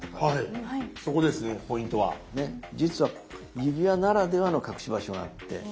はいそこですねポイントは。実は指輪ならではの隠し場所があって。